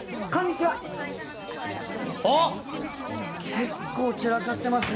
結構散らかってますね。